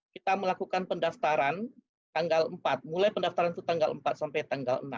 kita melakukan pendaftaran tanggal empat mulai pendaftaran itu tanggal empat sampai tanggal enam